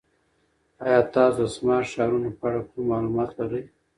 ایا تاسو د سمارټ ښارونو په اړه کوم معلومات لرئ؟